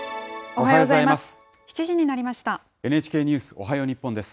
おはようございます。